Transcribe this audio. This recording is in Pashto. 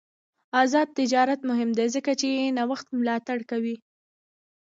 آزاد تجارت مهم دی ځکه چې نوښت ملاتړ کوي.